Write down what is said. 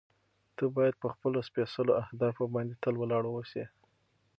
ته باید په خپلو سپېڅلو اهدافو باندې تل ولاړ واوسې.